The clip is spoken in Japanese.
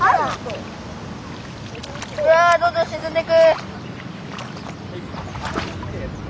うわどんどん沈んでく。